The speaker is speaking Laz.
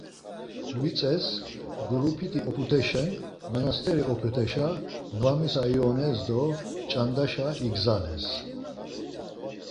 Vitzes Gurupiti op̌ut̆eşen Manasteri op̌ut̆eşa noğami-sa iones do ç̌andaşa igzales.